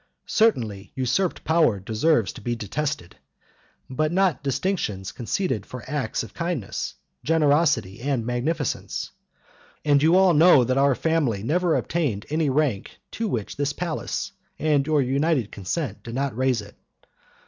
Certainly usurped power deserves to be detested; but not distinctions conceded for acts of kindness, generosity, and magnificence. And you all know that our family never attained any rank to which this palace and your united consent did not raise it.